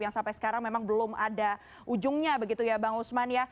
yang sampai sekarang memang belum ada ujungnya begitu ya bang usman ya